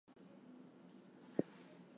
The fruit is not unlike the longan or lychee.